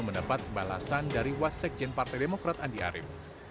mendapat balasan dari wasekjen partai demokrat andi arief